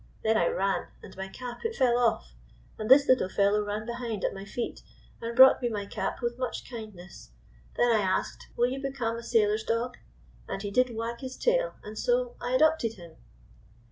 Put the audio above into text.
Then I ran, and my cap it fell off, and this little fellow ran behind at my feet and brought me my cap with much kind ness. Then I asked :' Will you become a i34 THE SAILOR AND THE SHIP sailor's clog ?' and lie did wag his tail, and so — I adopted him."